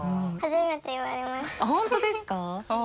本当ですか？